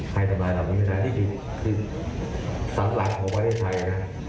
ใครสำนักเหล่านี้นะนี่คือสัญลักษณ์ของประเทศไทยนะ